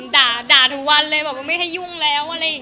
ด่าทุกวันเลยไม่ให้ยุ่งแล้วอะไรอย่างเงี้ย